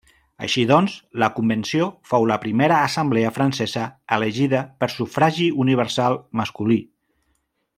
Així doncs, la Convenció fou la primera assemblea francesa elegida per sufragi universal masculí.